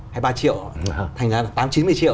hay ba triệu thành ra tám mươi chín mươi triệu